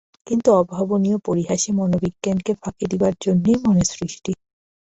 কিন্তু, অভাবনীয় পরিহাসে মনোবিজ্ঞানকে ফাঁকি দিবার জন্যই মনের সৃষ্টি।